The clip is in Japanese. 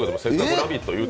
ラヴィット！